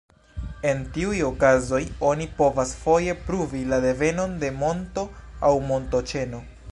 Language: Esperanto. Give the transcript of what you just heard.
En tiuj okazoj oni povas foje pruvi la devenon de monto aŭ montoĉeno.